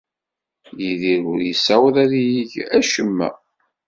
Yidir ur yessaweḍ ad yeg acemma.